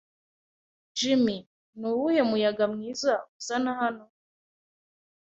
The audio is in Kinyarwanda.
Jim. Ni uwuhe muyaga mwiza uzana hano? ”